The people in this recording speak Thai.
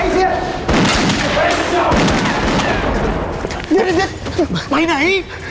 เดี๋ยวไปไหน